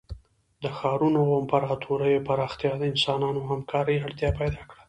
د ښارونو او امپراتوریو پراختیا د انسانانو همکارۍ اړتیا پیدا کړه.